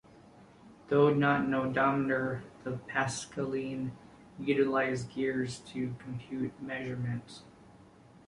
Though not an odometer, the "pascaline" utilized gears to compute measurements.